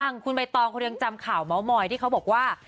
ท่านขุนใบตอวคุณยังจำข่าวเม่าโมยที่เขาบอกว่า